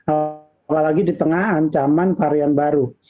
apalagi di tengah ancaman varian baru